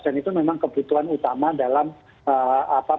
dan itu memang kebutuhan utama dalam penanggulangan